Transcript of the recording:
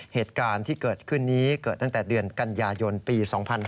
เหตุการณ์ที่เกิดขึ้นนี้เกิดตั้งแต่เดือนกันยายนปี๒๕๕๙